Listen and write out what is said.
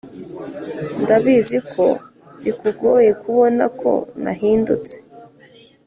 ndabizi ko bikugoye kubona ko nahindutse